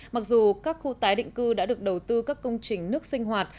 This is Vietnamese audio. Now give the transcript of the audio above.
mặc dù các khu tái định cư đã được đầu tư các công trình nước sinh hoạt